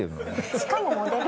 しかもモデル。